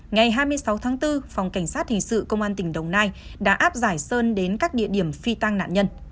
ngày hai mươi sáu tháng bốn phòng cảnh sát hình sự công an tỉnh đồng nai đã áp giải sơn đến các địa điểm phi tăng nạn nhân